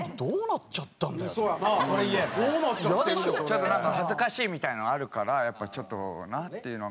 ちょっとなんか恥ずかしいみたいなのがあるからやっぱりちょっとなんて言うのか。